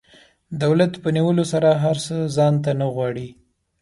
دولت په نیولو سره هر څه ځان ته نه غواړي.